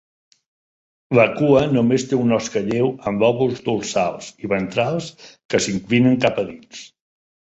La cua només té una osca lleu amb lòbuls dorsals i ventrals que s'inclinen cap a dins.